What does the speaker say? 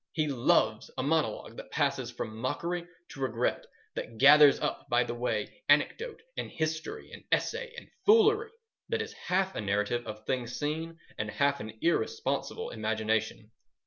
He loves a monologue that passes from mockery to regret, that gathers up by the way anecdote and history and essay and foolery, that is half a narrative of things seen and half an irresponsible imagination.